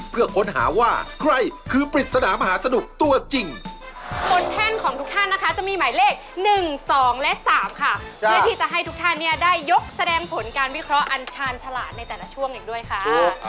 จุดค่านี้ได้ยกแสดงผลการวิเคราะห์อัญชาญฉลาดในแต่ละช่วงอีกด้วยค่ะ